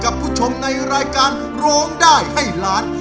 คุณผู้ชมในรายการร้องได้ให้ล้าน